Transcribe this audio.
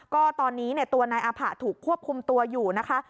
ก็ตอนนี้ตัวนายอาผะถูกควบคุมตัวอยู่นะคะ